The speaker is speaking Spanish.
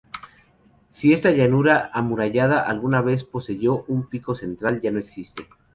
Si esta llanura amurallada alguna vez poseyó un pico central, ya no existe.